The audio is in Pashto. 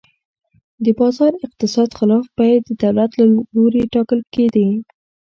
د بازار اقتصاد خلاف بیې د دولت له لوري ټاکل کېدې.